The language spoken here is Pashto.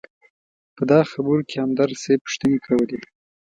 په دغه خبرو کې همدرد صیب پوښتنې کولې.